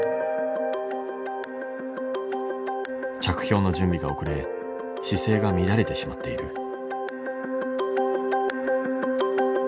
着氷の準備が遅れ姿勢が乱れてしまっている。